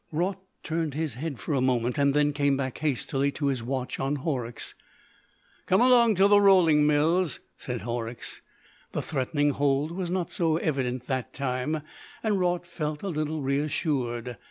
Raut turned his head for a moment, and then came back hastily to his watch on Horrocks. "Come along to the rolling mills," said Horrocks. The threatening hold was not so evident that time, and Raut felt a little reassured.